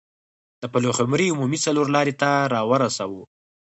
د پلخمري عمومي څلور لارې ته راورسوه.